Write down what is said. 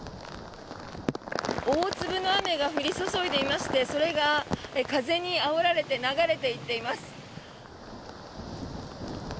大粒の雨が降り注いでいましてそれが風にあおられて流れていっています。